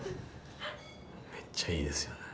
めっちゃいいですよね。